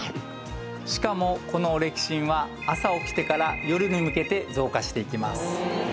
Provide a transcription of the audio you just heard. しかもこのオレキシンは朝起きてから夜に向けて増加していきます